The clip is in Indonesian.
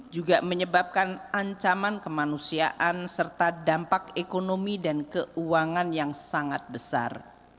juga menyebabkan ancaman kemanusiaan serta dampak ekonomi dan keuangan yang sangat besar